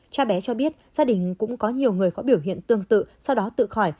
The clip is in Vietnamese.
cha bé cho biết gia đình cũng có nhiều người có biểu hiện tương tự sau đó tự khỏi